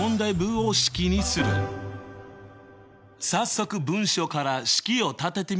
早速文章から式を立ててみよう！